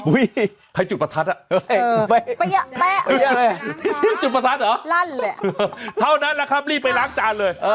ใครจุดประทัดอ่ะเป๊ะจุดประทัดเหรอลั่นแหละเท่านั้นแหละครับรีบไปล้างจานเลย